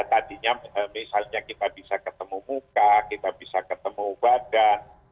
tadinya misalnya kita bisa ketemu muka kita bisa ketemu badan